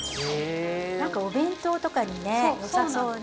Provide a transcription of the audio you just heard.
何かお弁当とかにねよさそうね。